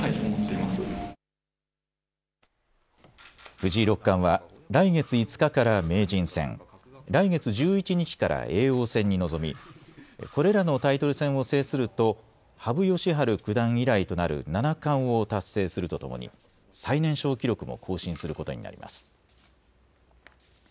藤井六冠は来月５日から名人戦、来月１１日から叡王戦に臨みこれらのタイトル戦を制すると羽生善治九段以来となる七冠を達成するとともに最年少記録も更新することになります。